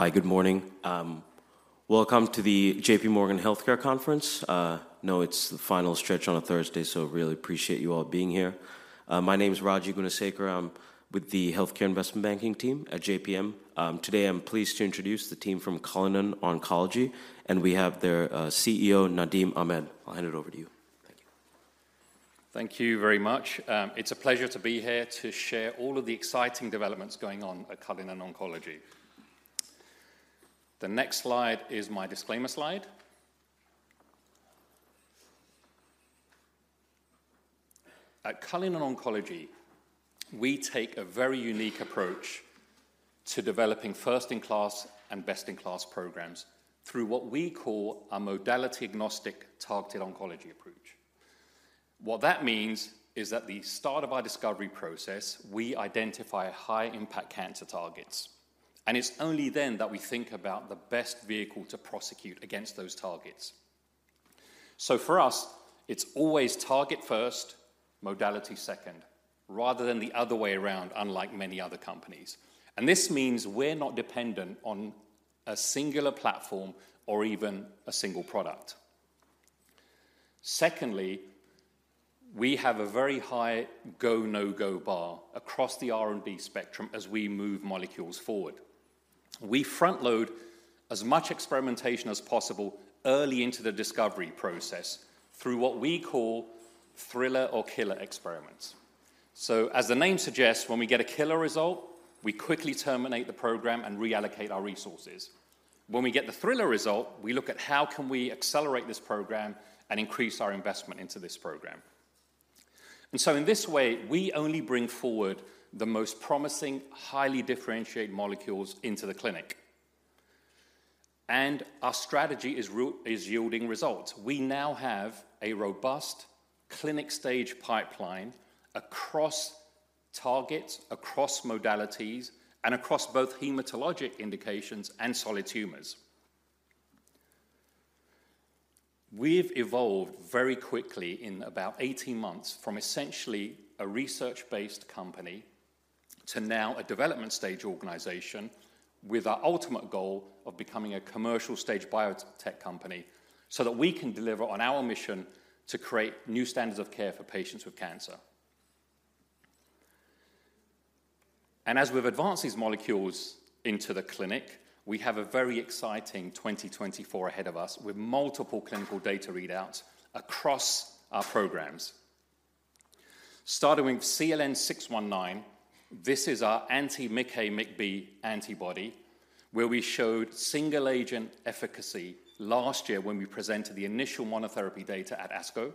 Hi, good morning. Welcome to the JPMorgan Healthcare Conference. I know it's the final stretch on a Thursday, so really appreciate you all being here. My name is Raji Gunasekera. I'm with the healthcare investment banking team at JPM. Today, I'm pleased to introduce the team from Cullinan Oncology, and we have their CEO, Nadim Ahmed. I'll hand it over to you. Thank you. Thank you very much. It's a pleasure to be here to share all of the exciting developments going on at Cullinan Oncology. The next slide is my disclaimer slide. At Cullinan Oncology, we take a very unique approach to developing first-in-class and best-in-class programs through what we call a modality-agnostic targeted oncology approach. What that means is, at the start of our discovery process, we identify high-impact cancer targets, and it's only then that we think about the best vehicle to prosecute against those targets. So for us, it's always target first, modality second, rather than the other way around, unlike many other companies, and this means we're not dependent on a singular platform or even a single product. Secondly, we have a very high go, no-go bar across the R&D spectrum as we move molecules forward. We front-load as much experimentation as possible early into the discovery process through what we call thriller or killer experiments. So as the name suggests, when we get a killer result, we quickly terminate the program and reallocate our resources. When we get the thriller result, we look at how can we accelerate this program and increase our investment into this program. And so in this way, we only bring forward the most promising, highly differentiated molecules into the clinic, and our strategy is yielding results. We now have a robust clinical-stage pipeline across targets, across modalities, and across both hematologic indications and solid tumors. We've evolved very quickly in about 18 months from essentially a research-based company to now a development-stage organization, with our ultimate goal of becoming a commercial-stage biotech company, so that we can deliver on our mission to create new standards of care for patients with cancer. And as we've advanced these molecules into the clinic, we have a very exciting 2024 ahead of us, with multiple clinical data readouts across our programs. Starting with CLN-619, this is our anti-MICA/MICB antibody, where we showed single-agent efficacy last year when we presented the initial monotherapy data at ASCO.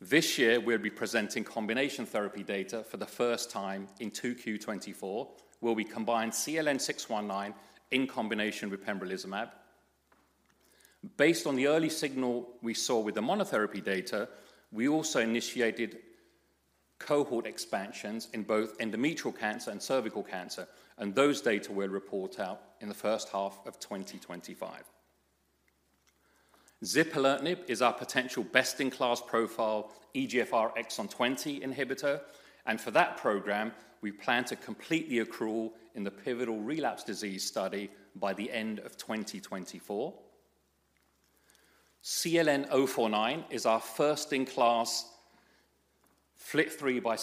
This year, we'll be presenting combination therapy data for the first time in 2Q 2024, where we combine CLN-619 in combination with pembrolizumab. Based on the early signal we saw with the monotherapy data, we also initiated cohort expansions in both endometrial cancer and cervical cancer, and those data will report out in the first half of 2025. Zipalertinib is our potential best-in-class profile, EGFR exon 20 inhibitor, and for that program, we plan to complete the accrual in the pivotal relapse disease study by the end of 2024. CLN-049 is our first-in-class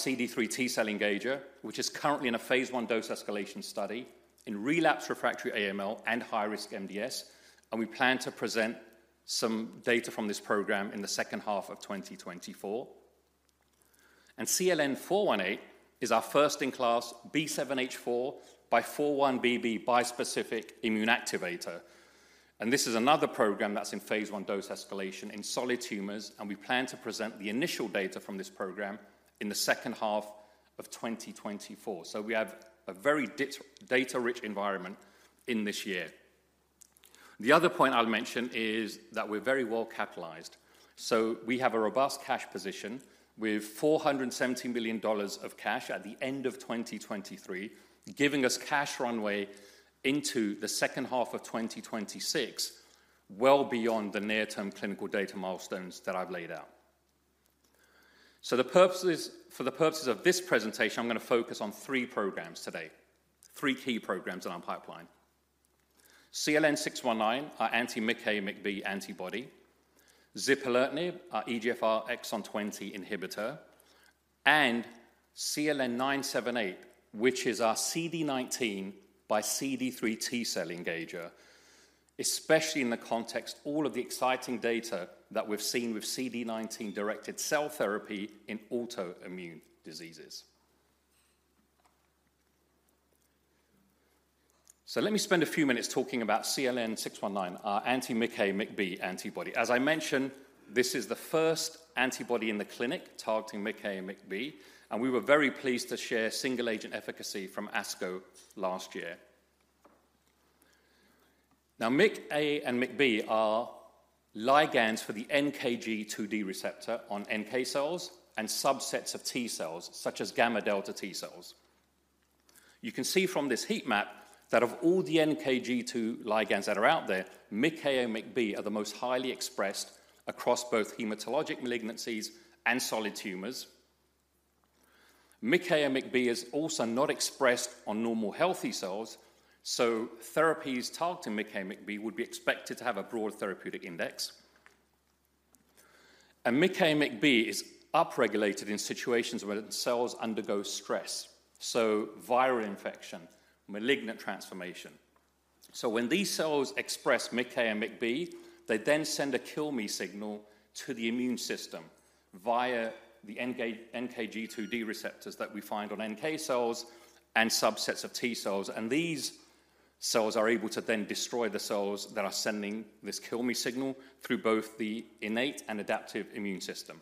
FLT3 x CD3 T-cell engager, which is currently in a phase I dose-escalation study in relapse refractory AML and high-risk MDS, and we plan to present some data from this program in the second half of 2024. And CLN-418 is our first-in-class B7H4 x 4-1BB bispecific immune activator, and this is another program that's in phase 1 dose escalation in solid tumors, and we plan to present the initial data from this program in the second half of 2024. So we have a very data-rich environment in this year. The other point I'll mention is that we're very well capitalized, so we have a robust cash position with $417 million of cash at the end of 2023, giving us cash runway into the second half of 2026, well beyond the near-term clinical data milestones that I've laid out. For the purposes of this presentation, I'm gonna focus on three programs today, three key programs in our pipeline: CLN-619, our anti-MICA/MICB antibody; zipalertinib, our EGFR exon 20 inhibitor; and CLN-978, which is our CD19 x CD3 T-cell engager, especially in the context of all of the exciting data that we've seen with CD19-directed cell therapy in autoimmune diseases. So let me spend a few minutes talking about CLN-619, our anti-MICA/MICB antibody. As I mentioned, this is the first antibody in the clinic targeting MICA and MICB, and we were very pleased to share single-agent efficacy from ASCO last year. Now, MICA and MICB are ligands for the NKG2D receptor on NK cells and subsets of T cells, such as gamma delta T cells. You can see from this heat map that of all the NKG2 ligands that are out there, MICA and MICB are the most highly expressed across both hematologic malignancies and solid tumors. MICA and MICB is also not expressed on normal healthy cells, so therapies targeted MICA and MICB would be expected to have a broad therapeutic index. MICA and MICB is upregulated in situations where the cells undergo stress, so viral infection, malignant transformation. So when these cells express MICA and MICB, they then send a kill me signal to the immune system via the NKG2D receptors that we find on NK cells and subsets of T cells, and these cells are able to then destroy the cells that are sending this kill me signal through both the innate and adaptive immune system.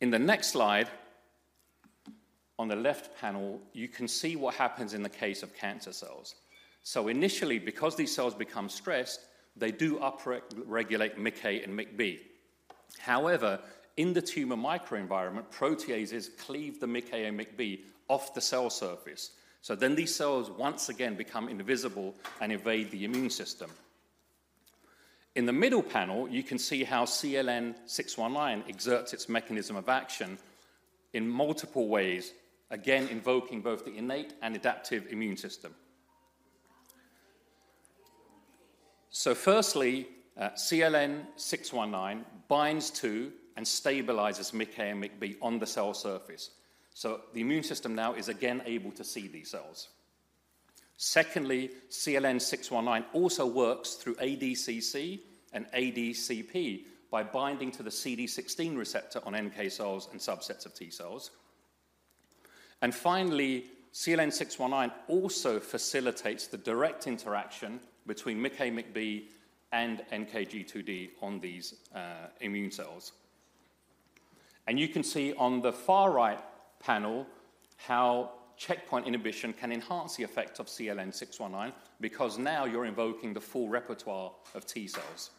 In the next slide, on the left panel, you can see what happens in the case of cancer cells. So initially, because these cells become stressed, they do upregulate MICA and MICB. However, in the tumor microenvironment, proteases cleave the MICA and MICB off the cell surface, so then these cells once again become invisible and evade the immune system. In the middle panel, you can see how CLN-619 exerts its mechanism of action in multiple ways, again, invoking both the innate and adaptive immune system. So firstly, CLN-619 binds to and stabilizes MICA and MICB on the cell surface, so the immune system now is again able to see these cells. Secondly, CLN-619 also works through ADCC and ADCP by binding to the CD16 receptor on NK cells and subsets of T cells. And finally, CLN-619 also facilitates the direct interaction between MICA, MICB, and NKG2D on these immune cells. You can see on the far right panel how checkpoint inhibition can enhance the effect of CLN-619, because now you're invoking the full repertoire of T cells.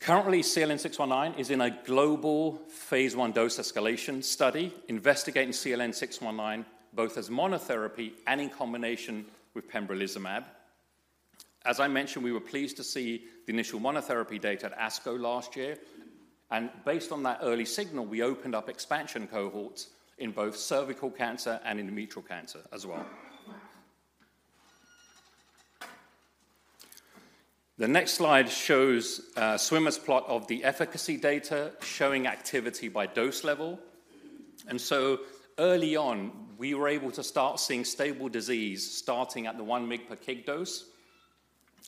Currently, CLN-619 is in a global phase I dose-escalation study, investigating CLN-619, both as monotherapy and in combination with pembrolizumab. As I mentioned, we were pleased to see the initial monotherapy data at ASCO last year, and based on that early signal, we opened up expansion cohorts in both cervical cancer and endometrial cancer as well. The next slide shows a swimmer's plot of the efficacy data, showing activity by dose level. Early on, we were able to start seeing stable disease, starting at the 1 mg per kg dose,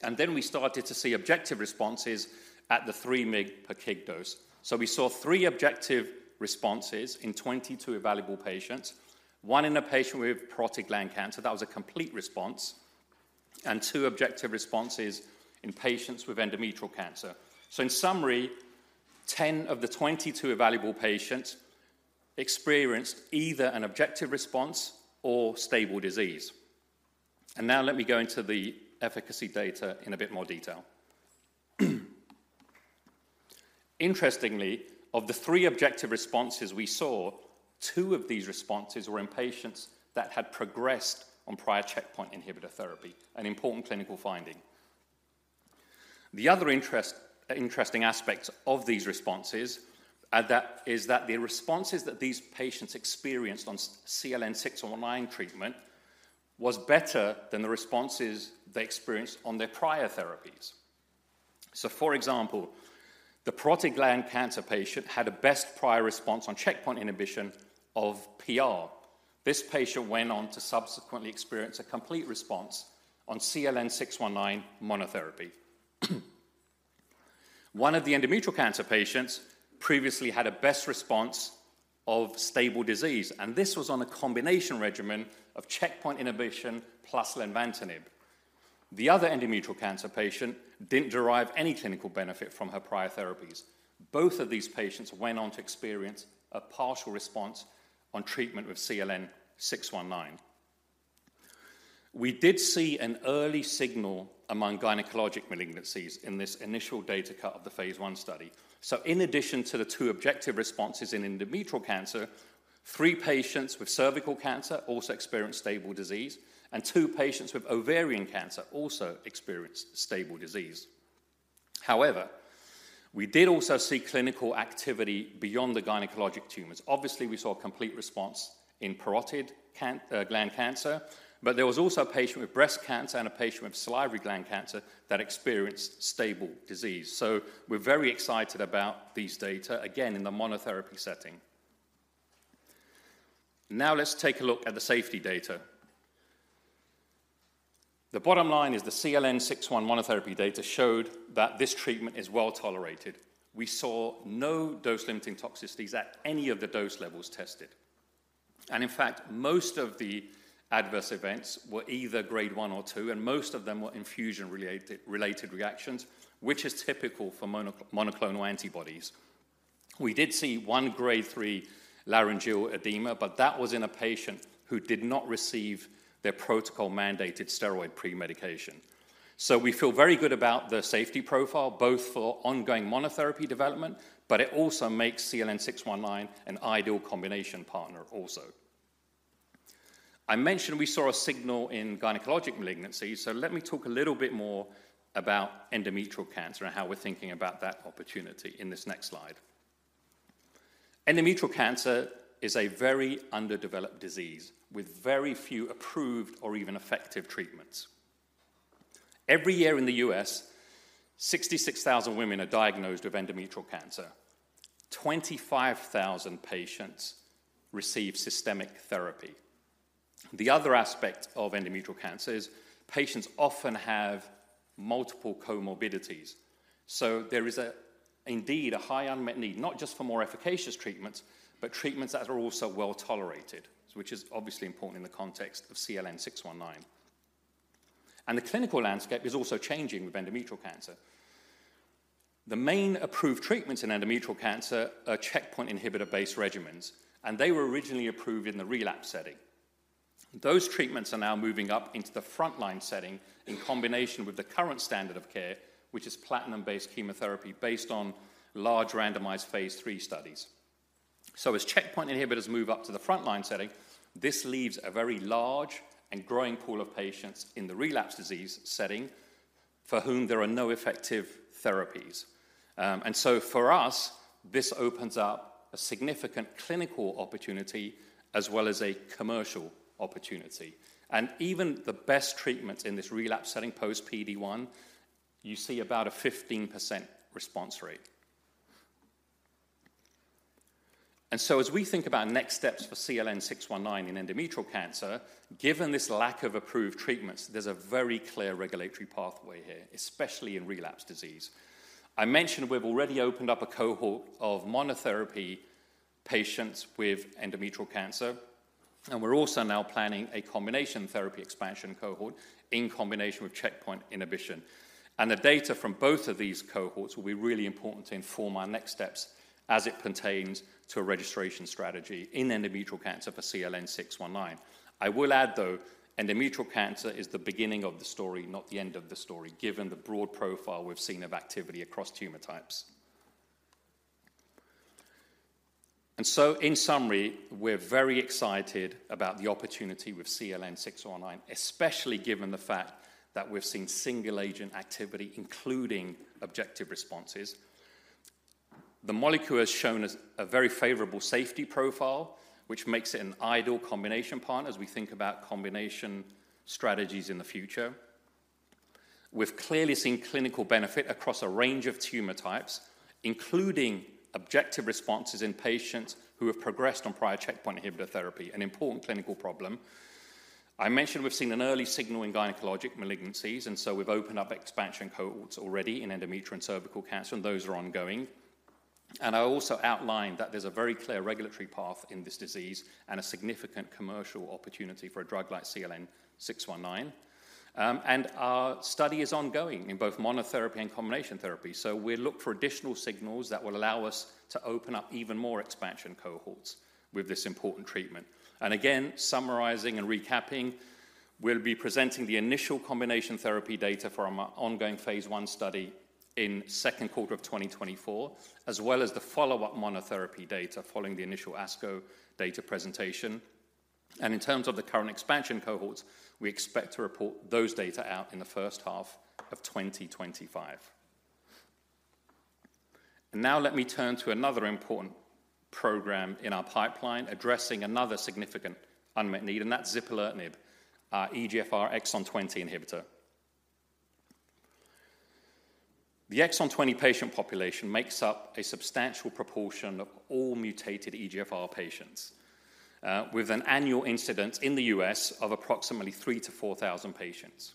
and then we started to see objective responses at the 3 mg per kg dose. We saw three objective responses in 22 evaluable patients, one in a patient with parotid gland cancer, that was a complete response, and two objective responses in patients with endometrial cancer. In summary, 10 of the 22 evaluable patients experienced either an objective response or stable disease. Now let me go into the efficacy data in a bit more detail. Interestingly, of the three objective responses we saw, two of these responses were in patients that had progressed on prior checkpoint inhibitor therapy, an important clinical finding. The other interesting aspect of these responses is that the responses that these patients experienced on CLN-619 treatment was better than the responses they experienced on their prior therapies. So, for example, the parotid gland cancer patient had a best prior response on checkpoint inhibition of PR. This patient went on to subsequently experience a complete response on CLN-619 monotherapy. One of the endometrial cancer patients previously had a best response of stable disease, and this was on a combination regimen of checkpoint inhibition plus lenvatinib. The other endometrial cancer patient didn't derive any clinical benefit from her prior therapies. Both of these patients went on to experience a partial response on treatment with CLN-619. We did see an early signal among gynecologic malignancies in this initial data cut of the phase I study. So in addition to the two objective responses in endometrial cancer, three patients with cervical cancer also experienced stable disease, and two patients with ovarian cancer also experienced stable disease. However, we did also see clinical activity beyond the gynecologic tumors. Obviously, we saw a complete response in parotid gland cancer, but there was also a patient with breast cancer and a patient with salivary gland cancer that experienced stable disease. So we're very excited about these data, again, in the monotherapy setting. Now let's take a look at the safety data. The bottom line is the CLN-619 monotherapy data showed that this treatment is well tolerated. We saw no dose-limiting toxicities at any of the dose levels tested. And in fact, most of the adverse events were either grade one or two, and most of them were infusion-related reactions, which is typical for monoclonal antibodies. We did see one grade three laryngeal edema, but that was in a patient who did not receive their protocol-mandated steroid pre-medication. So we feel very good about the safety profile, both for ongoing monotherapy development, but it also makes CLN-619 an ideal combination partner also.... I mentioned we saw a signal in gynecologic malignancies, so let me talk a little bit more about endometrial cancer and how we're thinking about that opportunity in this next slide. Endometrial cancer is a very underdeveloped disease with very few approved or even effective treatments. Every year in the U.S., 66,000 women are diagnosed with endometrial cancer. 25,000 patients receive systemic therapy. The other aspect of endometrial cancer is patients often have multiple comorbidities, so there is indeed a high unmet need, not just for more efficacious treatments, but treatments that are also well-tolerated, which is obviously important in the context of CLN-619. And the clinical landscape is also changing with endometrial cancer. The main approved treatments in endometrial cancer are checkpoint inhibitor-based regimens, and they were originally approved in the relapse setting. Those treatments are now moving up into the frontline setting in combination with the current standard of care, which is platinum-based chemotherapy based on large randomized phase III studies. So as checkpoint inhibitors move up to the frontline setting, this leaves a very large and growing pool of patients in the relapse disease setting for whom there are no effective therapies. For us, this opens up a significant clinical opportunity as well as a commercial opportunity. Even the best treatments in this relapse setting post-PD-1, you see about a 15% response rate. As we think about next steps for CLN-619 in endometrial cancer, given this lack of approved treatments, there's a very clear regulatory pathway here, especially in relapse disease. I mentioned we've already opened up a cohort of monotherapy patients with endometrial cancer, and we're also now planning a combination therapy expansion cohort in combination with checkpoint inhibition. The data from both of these cohorts will be really important to inform our next steps as it pertains to a registration strategy in endometrial cancer for CLN-619. I will add, though, endometrial cancer is the beginning of the story, not the end of the story, given the broad profile we've seen of activity across tumor types. And so in summary, we're very excited about the opportunity with CLN-619, especially given the fact that we've seen single-agent activity, including objective responses. The molecule has shown us a very favorable safety profile, which makes it an ideal combination partner as we think about combination strategies in the future. We've clearly seen clinical benefit across a range of tumor types, including objective responses in patients who have progressed on prior checkpoint inhibitor therapy, an important clinical problem. I mentioned we've seen an early signal in gynecologic malignancies, and so we've opened up expansion cohorts already in endometrial and cervical cancer, and those are ongoing. I also outlined that there's a very clear regulatory path in this disease and a significant commercial opportunity for a drug like CLN-619. Our study is ongoing in both monotherapy and combination therapy, so we'll look for additional signals that will allow us to open up even more expansion cohorts with this important treatment. Again, summarizing and recapping, we'll be presenting the initial combination therapy data for our ongoing phase I study in second quarter of 2024, as well as the follow-up monotherapy data following the initial ASCO data presentation. In terms of the current expansion cohorts, we expect to report those data out in the first half of 2025. Now let me turn to another important program in our pipeline, addressing another significant unmet need, and that's zipalertinib, our EGFR exon 20 inhibitor. The exon 20 patient population makes up a substantial proportion of all mutated EGFR patients with an annual incidence in the U.S. of approximately 3,000-4,000 patients.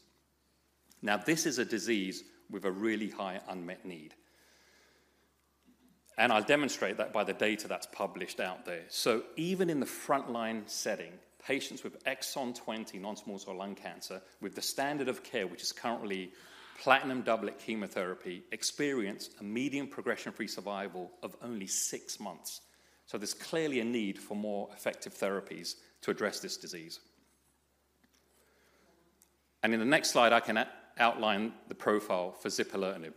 Now, this is a disease with a really high unmet need, and I'll demonstrate that by the data that's published out there. So even in the frontline setting, patients with exon 20 non-small cell lung cancer, with the standard of care, which is currently platinum doublet chemotherapy, experience a median progression-free survival of only six months. So there's clearly a need for more effective therapies to address this disease. In the next slide, I can outline the profile for zipalertinib.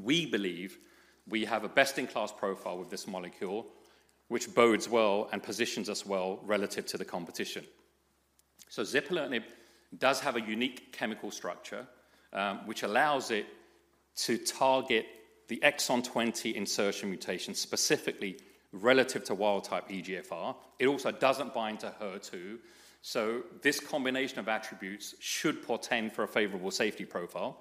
We believe we have a best-in-class profile with this molecule, which bodes well and positions us well relative to the competition. Zipalertinib does have a unique chemical structure, which allows it to target the exon 20 insertion mutation, specifically relative to wild-type EGFR. It also doesn't bind to HER2, so this combination of attributes should portend for a favorable safety profile.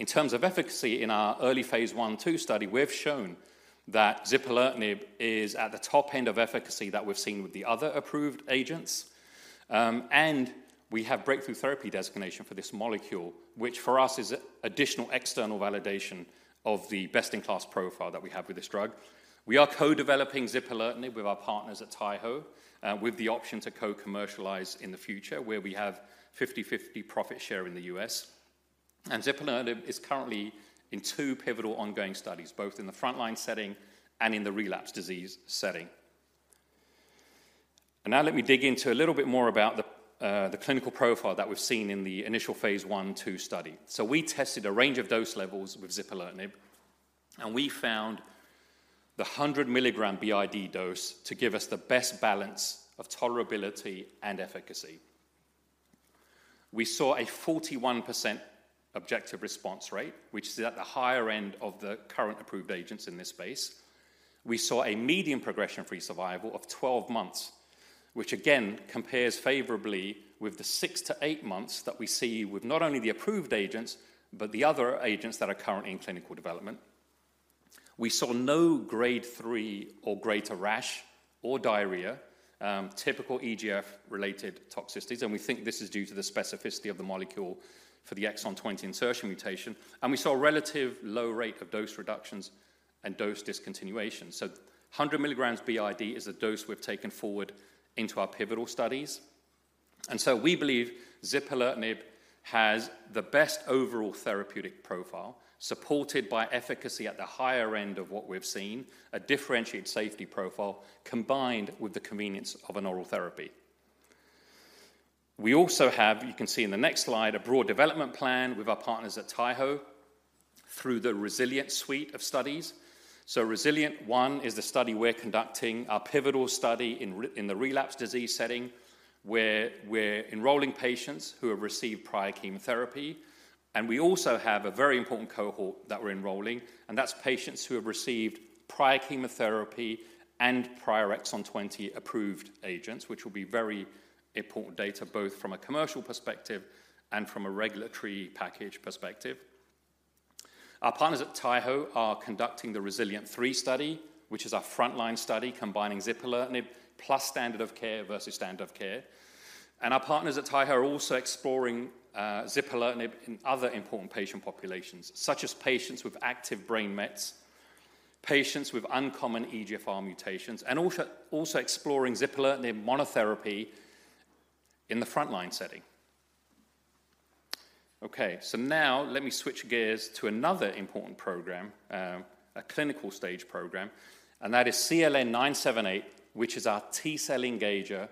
In terms of efficacy, in our early phase I/II study, we've shown that zipalertinib is at the top end of efficacy that we've seen with the other approved agents, and we have Breakthrough Therapy Designation for this molecule, which for us is additional external validation of the best-in-class profile that we have with this drug. We are co-developing zipalertinib with our partners at Taiho, with the option to co-commercialize in the future, where we have 50/50 profit share in the U.S. Zipalertinib is currently in two pivotal ongoing studies, both in the frontline setting and in the relapse disease setting. Now let me dig into a little bit more about the clinical profile that we've seen in the initial phase I/II study. So we tested a range of dose levels with zipalertinib and we found the 100 milligram BID dose to give us the best balance of tolerability and efficacy. We saw a 41% objective response rate, which is at the higher end of the current approved agents in this space. We saw a median progression-free survival of 12 months, which again compares favorably with the six to eight months that we see with not only the approved agents, but the other agents that are currently in clinical development. We saw no grade three or greater rash or diarrhea, typical EGFR-related toxicities, and we think this is due to the specificity of the molecule for the exon 20 insertion mutation, and we saw a relatively low rate of dose reductions and dose discontinuation. So 100 milligrams BID is a dose we've taken forward into our pivotal studies. And so we believe zipalertinib has the best overall therapeutic profile, supported by efficacy at the higher end of what we've seen, a differentiated safety profile, combined with the convenience of an oral therapy. We also have, you can see in the next slide, a broad development plan with our partners at Taiho through the REZILIENT suite of studies. So REZILIENT1 is the study we're conducting, our pivotal study in the relapsed disease setting, where we're enrolling patients who have received prior chemotherapy. And we also have a very important cohort that we're enrolling, and that's patients who have received prior chemotherapy and prior exon 20 approved agents, which will be very important data, both from a commercial perspective and from a regulatory package perspective. Our partners at Taiho are conducting the REZILIENT3 study, which is our frontline study, combining zipalertinib plus standard of care versus standard of care. And our partners at Taiho are also exploring zipalertinib in other important patient populations, such as patients with active brain mets, patients with uncommon EGFR mutations, and also, also exploring zipalertinib monotherapy in the frontline setting. Okay, so now let me switch gears to another important program, a clinical stage program, and that is CLN-978, which is our T-cell engager,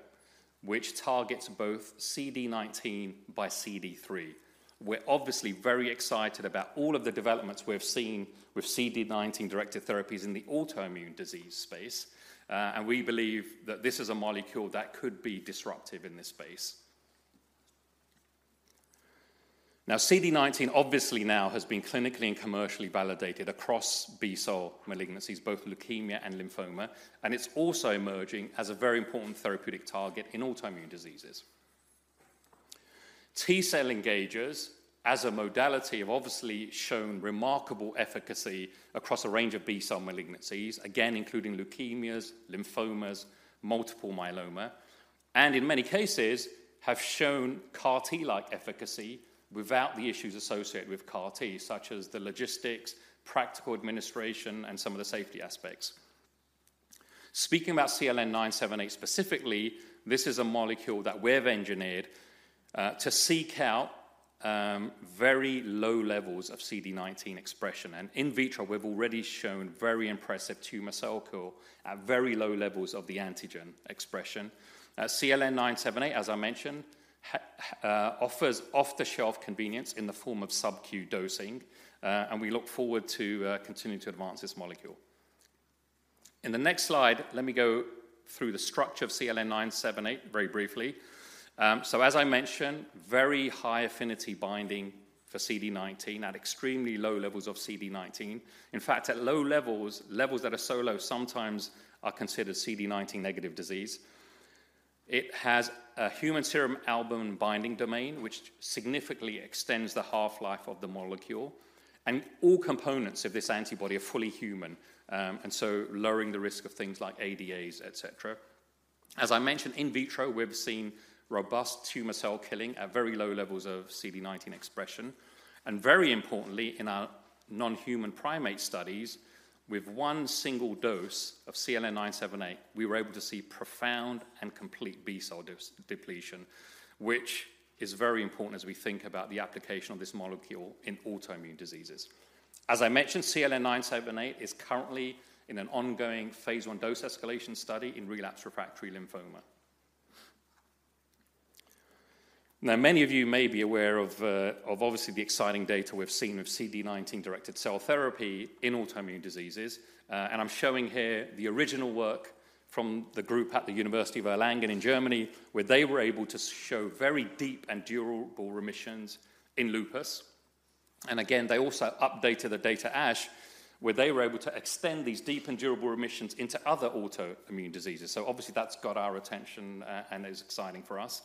which targets both CD19 x CD3. We're obviously very excited about all of the developments we've seen with CD19-directed therapies in the autoimmune disease space, and we believe that this is a molecule that could be disruptive in this space. Now, CD19 obviously now has been clinically and commercially validated across B-cell malignancies, both leukemia and lymphoma, and it's also emerging as a very important therapeutic target in autoimmune diseases. T-cell engagers, as a modality, have obviously shown remarkable efficacy across a range of B-cell malignancies, again, including leukemias, lymphomas, multiple myeloma, and in many cases, have shown CAR-T-like efficacy without the issues associated with CAR-T, such as the logistics, practical administration, and some of the safety aspects. Speaking about CLN-978 specifically, this is a molecule that we've engineered to seek out very low levels of CD19 expression, and in vitro, we've already shown very impressive tumor cell kill at very low levels of the antigen expression. CLN-978, as I mentioned, offers off-the-shelf convenience in the form of sub-Q dosing, and we look forward to continuing to advance this molecule. In the next slide, let me go through the structure of CLN-978 very briefly. So as I mentioned, very high-affinity binding for CD19 at extremely low levels of CD19. In fact, at low levels, levels that are so low, sometimes are considered CD19 negative disease. It has a human serum albumin binding domain, which significantly extends the half-life of the molecule, and all components of this antibody are fully human, and so lowering the risk of things like ADAs, et cetera. As I mentioned, in vitro, we've seen robust tumor cell killing at very low levels of CD19 expression, and very importantly, in our non-human primate studies, with one single dose of CLN-978, we were able to see profound and complete B-cell depletion, which is very important as we think about the application of this molecule in autoimmune diseases. As I mentioned, CLN-978 is currently in an ongoing phase 1 dose escalation study in relapse refractory lymphoma. Now, many of you may be aware of obviously the exciting data we've seen of CD19-directed cell therapy in autoimmune diseases, and I'm showing here the original work from the group at the University of Erlangen in Germany, where they were able to show very deep and durable remissions in lupus. And again, they also updated the data at ASH, where they were able to extend these deep and durable remissions into other autoimmune diseases. So obviously, that's got our attention, and is exciting for us.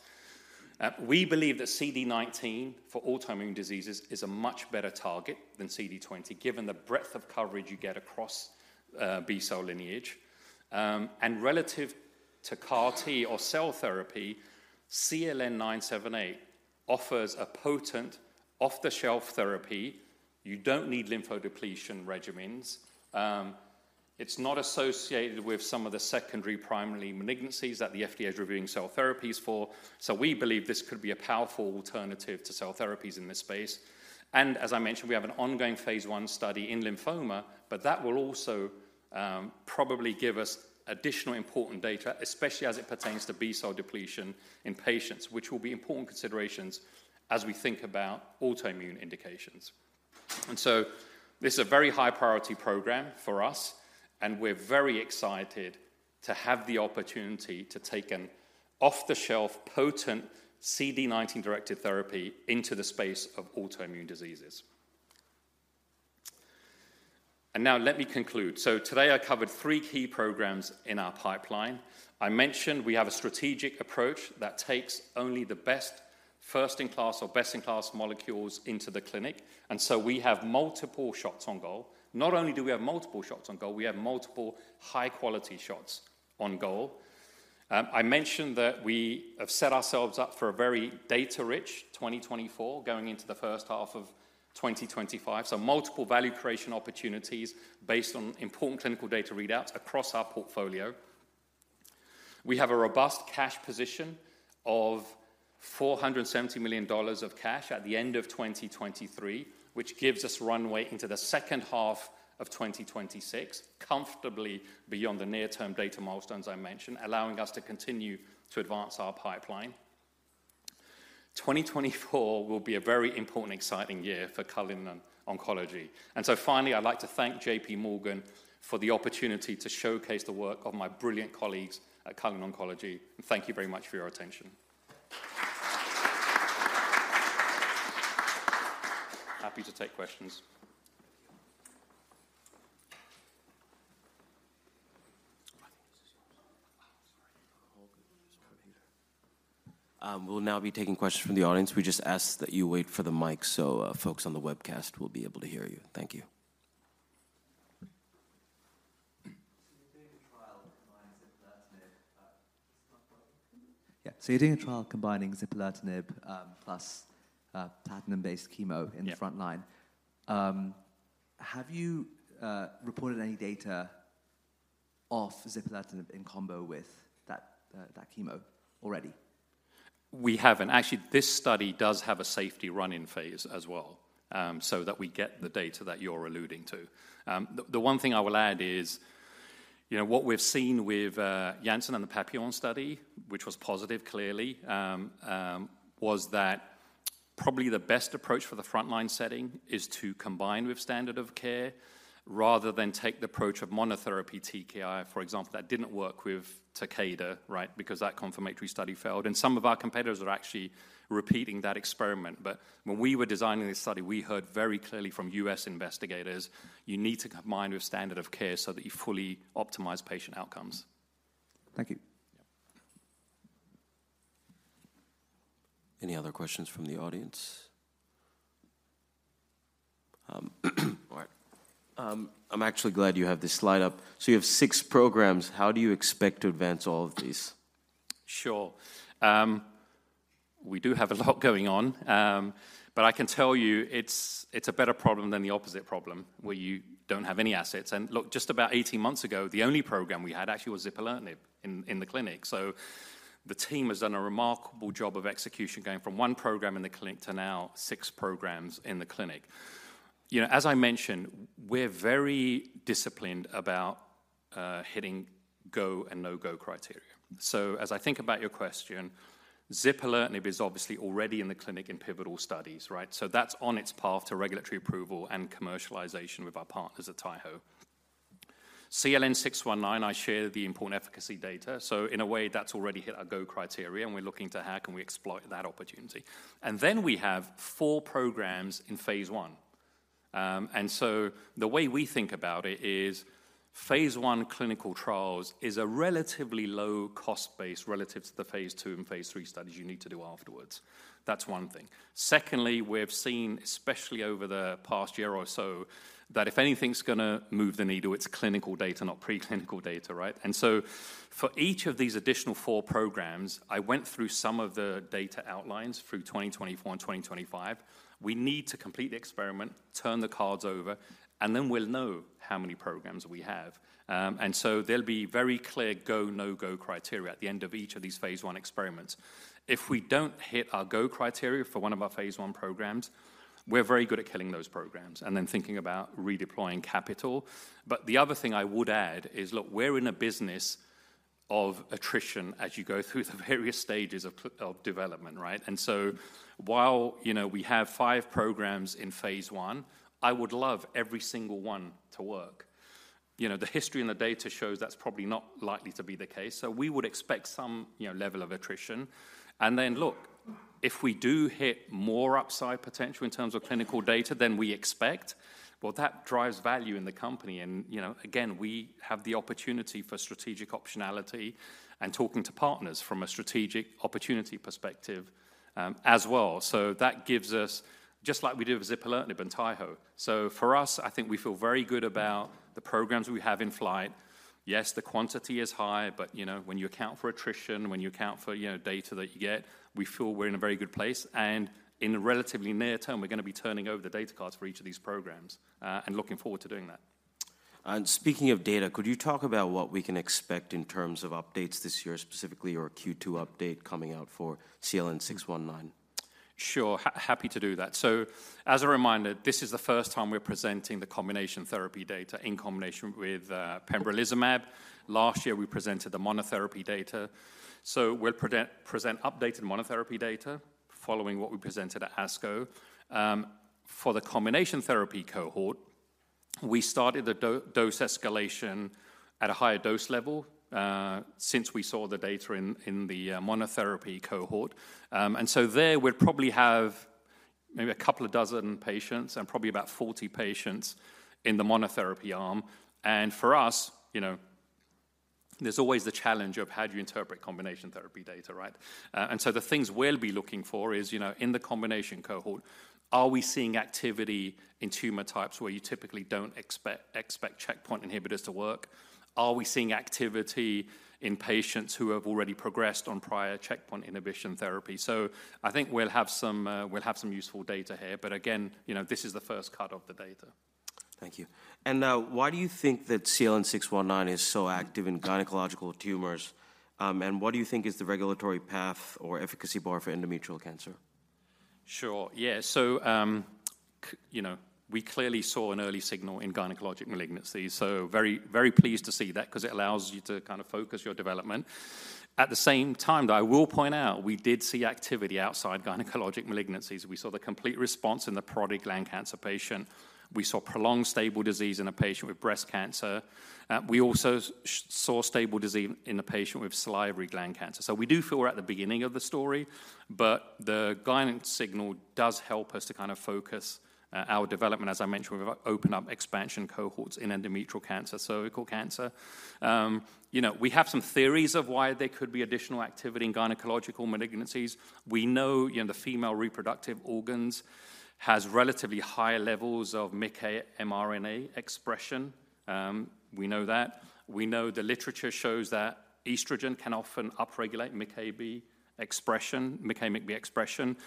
We believe that CD19 for autoimmune diseases is a much better target than CD20, given the breadth of coverage you get across B-cell lineage. And relative to CAR-T or cell therapy, CLN-978 offers a potent off-the-shelf therapy. You don't need lymphodepletion regimens. It's not associated with some of the second primary malignancies that the FDA is reviewing cell therapies for. So we believe this could be a powerful alternative to cell therapies in this space, and as I mentioned, we have an ongoing phase 1 study in lymphoma, but that will also, probably give us additional important data, especially as it pertains to B-cell depletion in patients, which will be important considerations as we think about autoimmune indications. And so this is a very high-priority program for us, and we're very excited to have the opportunity to take an off-the-shelf, potent CD19-directed therapy into the space of autoimmune diseases. And now let me conclude. So today, I covered three key programs in our pipeline. I mentioned we have a strategic approach that takes only the best first-in-class or best-in-class molecules into the clinic, and so we have multiple shots on goal. Not only do we have multiple shots on goal, we have multiple high-quality shots on goal. I mentioned that we have set ourselves up for a very data-rich 2024, going into the first half of 2025, so multiple value creation opportunities based on important clinical data readouts across our portfolio. We have a robust cash position of $470 million of cash at the end of 2023, which gives us runway into the second half of 2026, comfortably beyond the near-term data milestones I mentioned, allowing us to continue to advance our pipeline. 2024 will be a very important and exciting year for Cullinan Therapeutics. And so finally, I'd like to thank JPMorgan for the opportunity to showcase the work of my brilliant colleagues at Cullinan Oncology, and thank you very much for your attention. Happy to take questions. We'll now be taking questions from the audience. We just ask that you wait for the mic so, folks on the webcast will be able to hear you. Thank you. So you're doing a trial combining zipalertinib. Yeah. So you're doing a trial combining zipalertinib plus platinum-based chemo- Yeah... in the front line. Have you reported any data off zipalertinib in combo with that chemo already? We haven't. Actually, this study does have a safety run-in phase as well, so that we get the data that you're alluding to. The one thing I will add is, you know, what we've seen with Janssen and the PAPILLON study, which was positive, clearly, was that probably the best approach for the frontline setting is to combine with standard of care rather than take the approach of monotherapy TKI, for example. That didn't work with Takeda, right? Because that confirmatory study failed, and some of our competitors are actually repeating that experiment. But when we were designing this study, we heard very clearly from U.S. investigators, you need to combine with standard of care so that you fully optimize patient outcomes. Thank you. Yeah. Any other questions from the audience? All right. I'm actually glad you have this slide up. So you have six programs. How do you expect to advance all of these? Sure. We do have a lot going on, but I can tell you it's a better problem than the opposite problem, where you don't have any assets. And look, just about 18 months ago, the only program we had actually was zipalertinib in the clinic. So the team has done a remarkable job of execution, going from one program in the clinic to now six programs in the clinic. You know, as I mentioned, we're very disciplined about hitting go and no-go criteria. So as I think about your question, zipalertinib is obviously already in the clinic in pivotal studies, right? So that's on its path to regulatory approval and commercialization with our partners at Taiho. CLN-619, I shared the important efficacy data, so in a way, that's already hit our go criteria, and we're looking to how can we exploit that opportunity. Then we have four programs in phase I. So the way we think about it is phase I clinical trials is a relatively low cost base relative to the phase II and phase III studies you need to do afterwards. That's one thing. Secondly, we've seen, especially over the past year or so, that if anything's gonna move the needle, it's clinical data, not preclinical data, right? So for each of these additional four programs, I went through some of the data outlines through 2024 and 2025. We need to complete the experiment, turn the cards over, and then we'll know how many programs we have. So there'll be very clear go, no-go criteria at the end of each of these phase I experiments. If we don't hit our go criteria for one of our phase I programs, we're very good at killing those programs and then thinking about redeploying capital. But the other thing I would add is, look, we're in a business of attrition as you go through the various stages of of development, right? And so while, you know, we have five programs in phase I, I would love every single one to work. You know, the history and the data shows that's probably not likely to be the case, so we would expect some, you know, level of attrition. And then, look, if we do hit more upside potential in terms of clinical data than we expect, well, that drives value in the company, and, you know, again, we have the opportunity for strategic optionality and talking to partners from a strategic opportunity perspective, as well. So that gives us... Just like we did with zipalertinib and Taiho. So for us, I think we feel very good about the programs we have in flight. Yes, the quantity is high, but, you know, when you account for attrition, when you account for, you know, data that you get, we feel we're in a very good place, and in the relatively near term, we're gonna be turning over the data cards for each of these programs, and looking forward to doing that. Speaking of data, could you talk about what we can expect in terms of updates this year, specifically your Q2 update coming out for CLN-619? Sure. Happy to do that. So as a reminder, this is the first time we're presenting the combination therapy data in combination with pembrolizumab. Last year, we presented the monotherapy data. So we'll present updated monotherapy data following what we presented at ASCO. For the combination therapy cohort. We started the dose escalation at a higher dose level since we saw the data in the monotherapy cohort. And so there we'll probably have maybe a couple of dozen patients and probably about 40 patients in the monotherapy arm. And for us, you know, there's always the challenge of how do you interpret combination therapy data, right? And so the things we'll be looking for is, you know, in the combination cohort, are we seeing activity in tumor types where you typically don't expect checkpoint inhibitors to work? Are we seeing activity in patients who have already progressed on prior checkpoint inhibition therapy? So I think we'll have some, we'll have some useful data here, but again, you know, this is the first cut of the data. Thank you. And now, why do you think that CLN-619 is so active in gynecological tumors? And what do you think is the regulatory path or efficacy bar for endometrial cancer? Sure. Yeah, so, you know, we clearly saw an early signal in gynecologic malignancy, so very, very pleased to see that 'cause it allows you to kind of focus your development. At the same time, though, I will point out we did see activity outside gynecologic malignancies. We saw the complete response in the parotid gland cancer patient. We saw prolonged stable disease in a patient with breast cancer. We also saw stable disease in a patient with salivary gland cancer. So we do feel we're at the beginning of the story, but the guidance signal does help us to kind of focus our development. As I mentioned, we've opened up expansion cohorts in endometrial cancer, cervical cancer. You know, we have some theories of why there could be additional activity in gynecologic malignancies. We know, you know, the female reproductive organs has relatively high levels of MICA mRNA expression. We know that. We know the literature shows that estrogen can often upregulate MICB expression, MICA-MICB expression.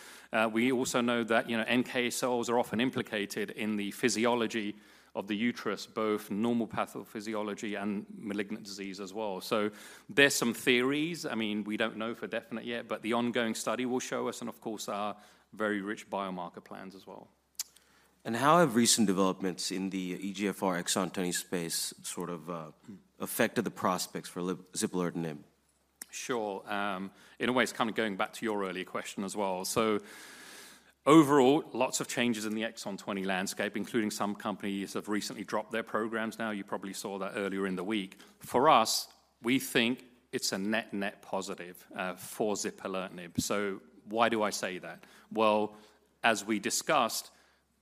We also know that, you know, NK cells are often implicated in the physiology of the uterus, both normal pathophysiology and malignant disease as well. So there's some theories. I mean, we don't know for definite yet, but the ongoing study will show us, and of course, our very rich biomarker plans as well. How have recent developments in the EGFR exon 20 space sort of affected the prospects for zipalertinib? Sure. In a way, it's kind of going back to your earlier question as well. So overall, lots of changes in the exon 20 landscape, including some companies have recently dropped their programs. Now, you probably saw that earlier in the week. For us, we think it's a net, net positive for zipalertinib. So why do I say that? Well, as we discussed,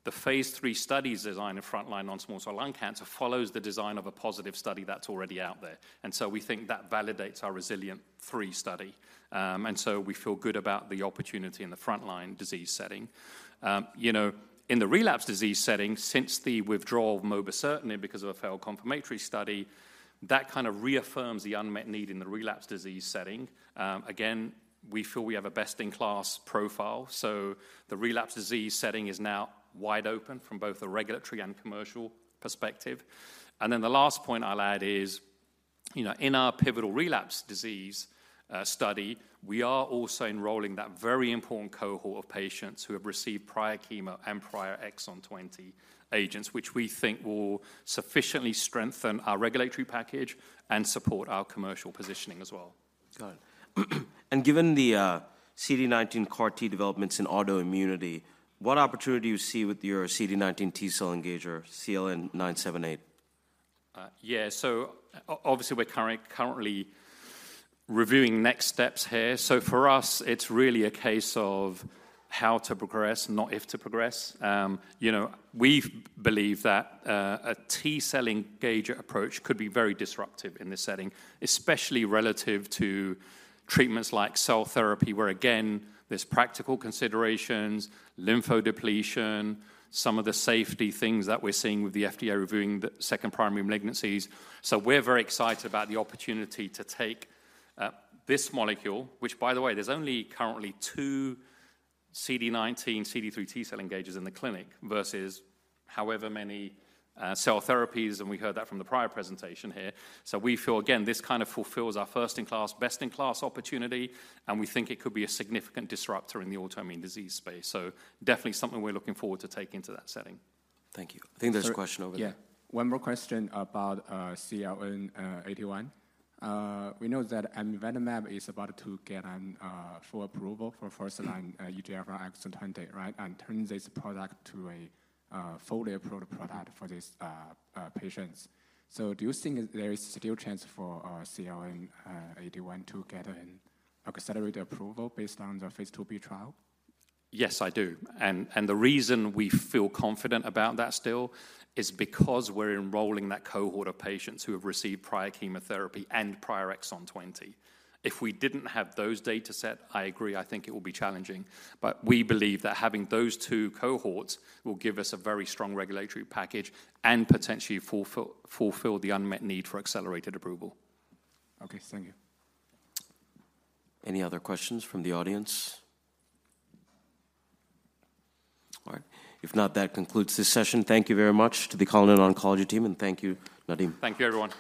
the phase III studies design of frontline non-small cell lung cancer follows the design of a positive study that's already out there. And so we think that validates our REZILIENT3 study. And so we feel good about the opportunity in the frontline disease setting. You know, in the relapse disease setting, since the withdrawal of mobocertinib because of a failed confirmatory study, that kind of reaffirms the unmet need in the relapse disease setting. Again, we feel we have a best-in-class profile, so the relapse disease setting is now wide open from both a regulatory and commercial perspective. And then the last point I'll add is, you know, in our pivotal relapse disease study, we are also enrolling that very important cohort of patients who have received prior chemo and prior exon 20 agents, which we think will sufficiently strengthen our regulatory package and support our commercial positioning as well. Got it. And given the CD19 CAR-T developments in autoimmunity, what opportunity you see with your CD19 T cell engager, CLN-978? Yeah, so obviously, we're currently reviewing next steps here. So for us, it's really a case of how to progress, not if to progress. You know, we believe that a T-cell engager approach could be very disruptive in this setting, especially relative to treatments like cell therapy, where again, there's practical considerations, lymphodepletion, some of the safety things that we're seeing with the FDA reviewing the second primary malignancies. So we're very excited about the opportunity to take this molecule, which, by the way, there's only currently two CD19, CD3 T-cell engagers in the clinic versus however many cell therapies, and we heard that from the prior presentation here. So we feel, again, this kind of fulfills our first-in-class, best-in-class opportunity, and we think it could be a significant disruptor in the autoimmune disease space. Definitely something we're looking forward to taking to that setting. Thank you. I think there's a question over there. Yeah. One more question about CLN-081. We know that amivantamab is about to get a full approval for first-line EGFR exon 20, right? And turn this product to a fully approved product for these patients. So do you think there is still a chance for our CLN-081 to get an accelerated approval based on the phase IIb trial? Yes, I do. And, and the reason we feel confident about that still is because we're enrolling that cohort of patients who have received prior chemotherapy and prior exon 20. If we didn't have those dataset, I agree, I think it would be challenging. But we believe that having those two cohorts will give us a very strong regulatory package and potentially fulfill the unmet need for accelerated approval. Okay, thank you. Any other questions from the audience? All right. If not, that concludes this session. Thank you very much to the Cullinan Oncology team, and thank you, Nadim. Thank you, everyone.